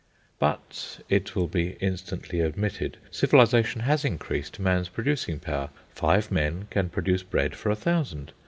But, it will be instantly admitted, Civilisation has increased man's producing power. Five men can produce bread for a thousand.